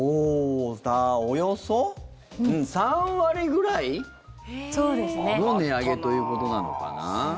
およそ３割ぐらいの値上げということなのかな。